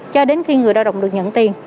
cho đến khi người lao động được nhận tiền